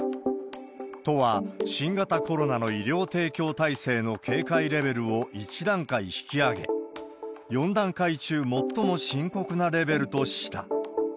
都は新型コロナの医療提供体制の警戒レベルを１段階引き上げ、４段階中最も深刻なレベルとした。